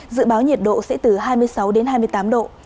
dự báo nhiệt độ sẽ từ hai mươi sáu đến hai mươi tám độ